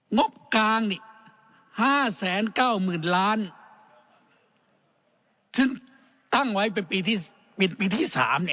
งบกลาง๕๙๐๐๐๐ล้านซึ่งตั้งไว้เป็นปีที่๓